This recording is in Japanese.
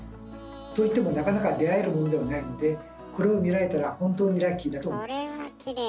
といってもなかなか出会えるものではないのでこれを見られたら本当にラッキーだと思います。